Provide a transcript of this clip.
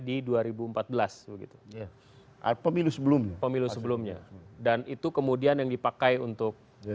dan itu kemudian yang dipakai untuk